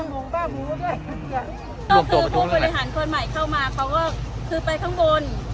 ก็คือผู้บริหารคนใหม่เข้ามาเขาก็คือไปข้างบน